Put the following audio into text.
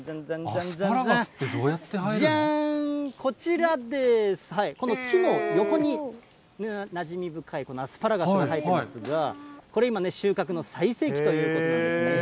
じゃーん、この木の横になじみ深いアスパラガスが生えていますが、これ今ね、収穫の最盛期というんですね。